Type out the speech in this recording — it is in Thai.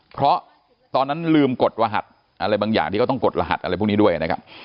เพราะตอนนั้นลืมกดรหัสอะไรบางอย่างที่เขาต้องกดรหัสอะไรพวกนี้ด้วยนะครับ